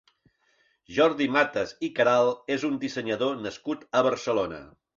Jordi Matas i Queralt és un dissenyador nascut a Barcelona.